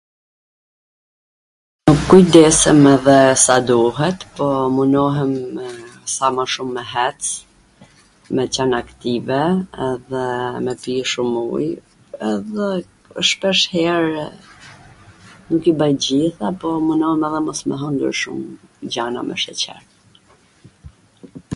Nuk kujdesem edhe sa duhet, po munohem sa ma shum me hec, me qwn aktive dhe me pi shum uj, edhe shpeshherw nuk i baj t gjitha po edhe munohem mos me hwngwr shum gjana me sheqer.